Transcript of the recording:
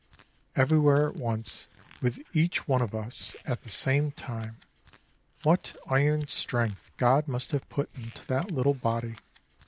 "Everywhere at once with each one of us at the same time! What iron strength God must have put into that little body!